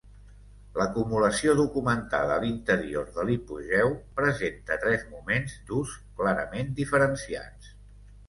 L'acumulació documentada a l'interior de l'hipogeu presenta tres moments d'ús clarament diferenciats.